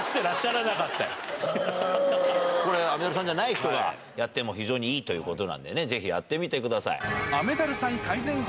これ、雨ダルさんじゃない人がやっても非常にいいということなんでね、ぜひやってみてくださ雨ダルさん改善法